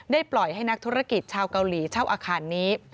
ปล่อยให้นักธุรกิจชาวเกาหลีเช่าอาคารนี้